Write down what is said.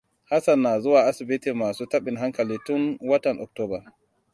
Hassan na zuwa asibitin masu taɓin hankali tun watan Oktoba.